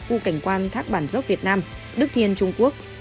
khu cảnh quan thác bản dốc việt nam đức thiên trung quốc